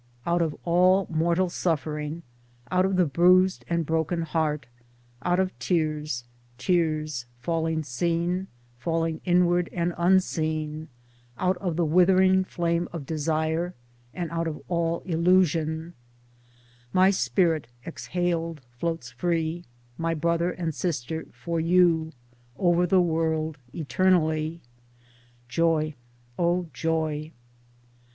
Out of all mortal suffering, out of the bruised and broken heart, out of tears, tears — falling seen, falling inward and unseen — out of the withering flame of desire, and out of all illusion, My spirit exhaled — floats free — my brother and sister — for you — over the world eternally. [Joy, O joy